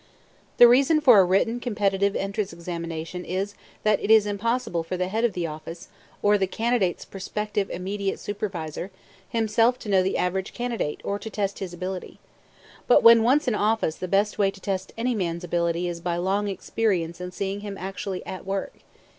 The reason for a written competitive entrance examination is that it is impossible for the head of the office, or the candidate's prospective immediate superior, himself to know the average candidate or to test his ability. But when once in office the best way to test any man's ability is by long experience in seeing him actually at work.